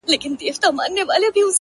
هر اندام یې د ښکلا په تول تللی٫